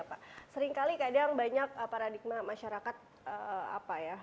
meringkali kadang banyak paradigma masyarakat apa ya